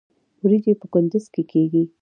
وریجې په کندز کې کیږي